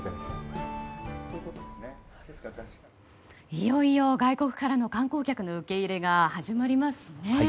いよいよ外国からの観光客の受け入れが始まりますね。